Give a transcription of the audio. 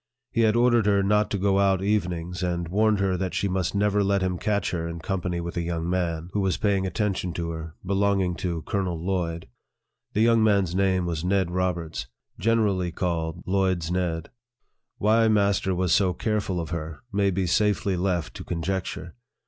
He had ordered her not to go out evenings, and warned her that she must never let him catch her in company with a young man, who was paying attention to her LIFE OF FREDERICK DOUGLASS. 7 belonging to Colonel Lloyd. The young man's name was Ned Roberts, generally called Lloyd's Ned. Why master was so careful of her, may be safely left to conjecture.